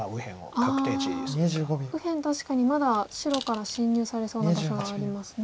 確かにまだ白から侵入されそうな場所がありますね。